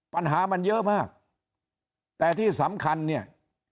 ปัญหามันเยอะมากแต่ที่สำคัญเนี่ย